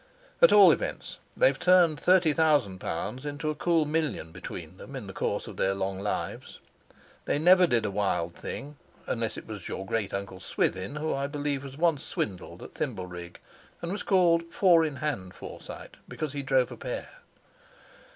At all events they've turned thirty thousand pounds into a cool million between them in the course of their long lives. They never did a wild thing—unless it was your great uncle Swithin, who I believe was once swindled at thimble rig, and was called 'Four in hand Forsyte' because he drove a pair.